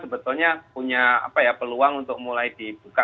sebetulnya punya apa ya peluang untuk mulai dibuka